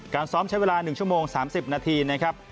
ซ้อมใช้เวลา๑ชั่วโมง๓๐นาทีนะครับ